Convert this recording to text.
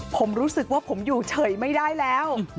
ผมรู้สึกว่าผมอยู่เฉยไม่ได้แล้ว